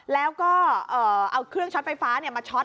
แล้วก็เอาเครื่องช็อตไฟฟ้ามาช็อต